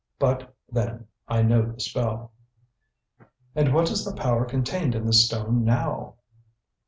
But, then, I know the spell." "And what is the power contained in the stone now?"